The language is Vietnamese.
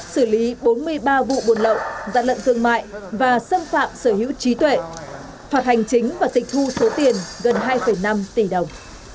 xử lý bốn mươi ba vụ buôn lậu gian lận thương mại và xâm phạm sở hữu trí tuệ phạt hành chính và tịch thu số tiền gần hai năm tỷ đồng